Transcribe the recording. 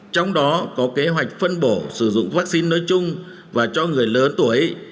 trong đó có kế hoạch phân bổ sử dụng vaccine nói chung và cho người lớn tuổi